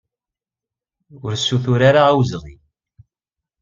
Ur ssutur ara awezɣi!